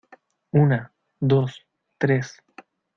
una, dos , tres.